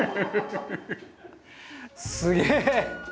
すげえ。